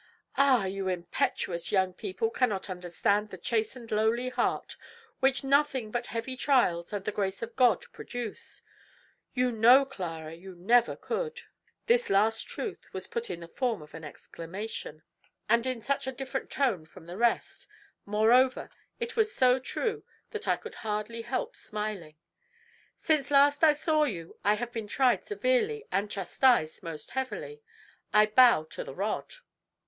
"Ah, you impetuous young people cannot understand the chastened lowly heart, which nothing but heavy trials and the grace of God produce. You know, Clara, you never could." This last truth was put in the form of an exclamation, and in such a different tone from the rest, moreover it was so true, that I could hardly help smiling. "Since last I saw you, I have been tried severely and chastised most heavily. I bow to the rod.